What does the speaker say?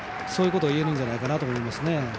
そういうことがいえるんじゃないかと思います。